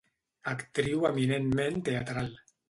Actriu eminentment teatral.